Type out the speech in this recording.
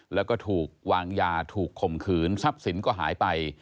แล้วก็ถูกวางยาถูกข่มขืนทรัพย์สินก็หายไป